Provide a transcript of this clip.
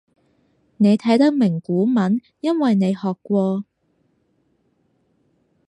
你睇得明古文因為你學過